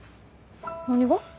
何が？